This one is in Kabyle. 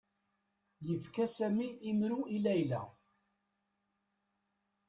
Yefka Sami imru i Layla.